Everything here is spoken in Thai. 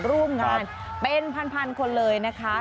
ร่วมงานเป็นพันคนเลยนะคะ